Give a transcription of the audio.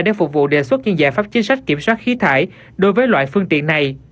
để phục vụ đề xuất những giải pháp chính sách kiểm soát khí thải đối với loại phương tiện này